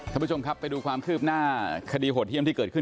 ท่านผู้ชมครับไปดูความคืบหน้าคดีโหดเยี่ยมที่เกิดขึ้น